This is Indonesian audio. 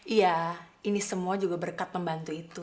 iya ini semua juga berkat pembantu itu